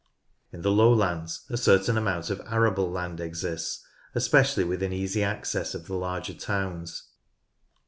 In the lowlands a certain amount of arable land exists, especially within easy access of the larger towns.